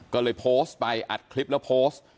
ก็เลยโพสต์ไปอัดคลิปแล้วโพสต์